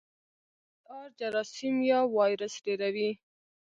د پی سي ار جراثیم یا وایرس ډېروي.